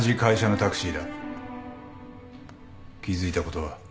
気付いたことは？